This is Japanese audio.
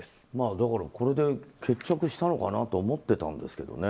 だから、これで決着したのかなと思ってたんですけどね。